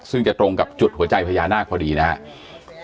ซึ่งจะตรงกับจุดหัวใจพญานาคพอดีนะครับ